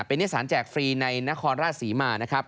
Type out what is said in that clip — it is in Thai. เป็นนิสารแจกฟรีในนครราชศรีมานะครับ